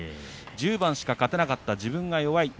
１０番しか勝てなかった自分が弱い。